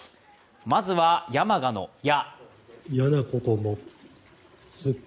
まずは、山鹿の「や」。